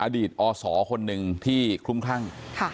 อดีตอศคนหนึ่งที่คลุ้มคลั่ง